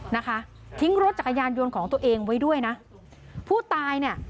นะคะทิ้งรถจักรยานยนต์ของตัวเองไว้ด้วยนะผู้ตายเนี่ย